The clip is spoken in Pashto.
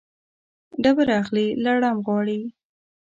ډبره اخلي ، لړم غواړي.